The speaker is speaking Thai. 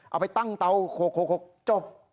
เอาไปตั้งเตา๖จบ